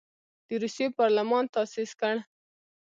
د روسیې پارلمان تاسیس کړ.